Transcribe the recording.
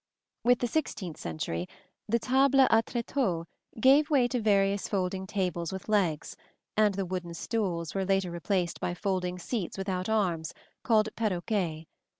With the sixteenth century, the table à tréteaux gave way to various folding tables with legs, and the wooden stools were later replaced by folding seats without arms called perroquets.